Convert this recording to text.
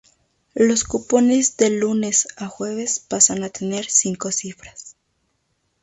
Los cupones del lunes a jueves pasan a tener cinco cifras.